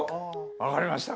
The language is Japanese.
分かりました。